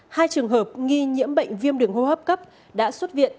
hai trường hợp nghi nhiễm bệnh viêm đường hô hấp cấp đã xuất viện